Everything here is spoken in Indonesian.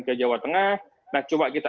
ke jawa tengah nah coba kita